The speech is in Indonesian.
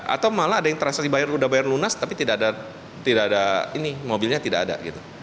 atau malah ada yang transaksi udah bayar lunas tapi mobilnya tidak ada